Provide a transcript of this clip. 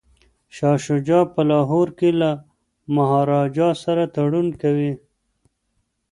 شاه شجاع په لاهور کي له مهاراجا سره تړون کوي.